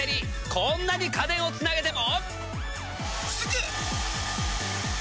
こんなに家電をつなげても？